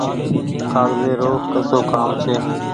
ڪآگزي رو ڪسو ڪآم ڇي ۔